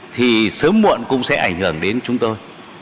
thì sớm muộn cũng sẽ ảnh hưởng đến chúng tôi